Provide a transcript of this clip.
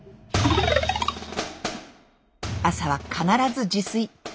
朝は必ず自炊。